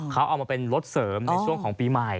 เขาเอามาเป็นรถเสริมในช่วงของปีใหม่